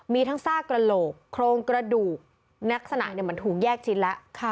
มีทั้งซากกระโหลกโครงกระดูกลักษณะเหมือนถูกแยกชิ้นแล้ว